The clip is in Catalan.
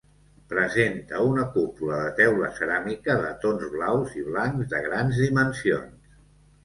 Presenta una cúpula de teula ceràmica de tons blaus i blancs, de grans dimensions.